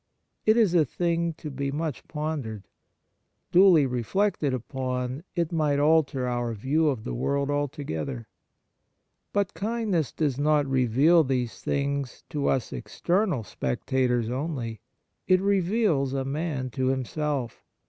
It is a thing to be much pondered. Duly reflected on, it might alter our view of the world alto gether. But kindness does not reveal these things to us external spectators only. It reveals a man to himself.